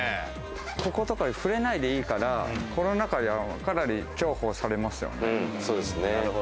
こことか触れないでいいから、かなり重宝されますよ。